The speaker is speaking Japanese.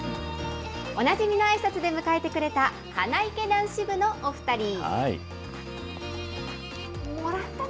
おなじみのあいさつで迎えてくれた花いけ男子部のお２人。